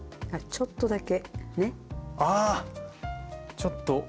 ちょっとだけ。